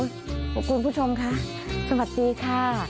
โอ๊ยโอ๊ยขอบคุณผู้ชมค่ะสวัสดีค่ะ